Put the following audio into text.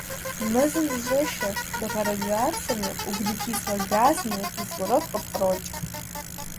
Мэзым зыщӀешэ дыгъэ радиацэмрэ углекислэ газымрэ, кислород къыпкърокӀ.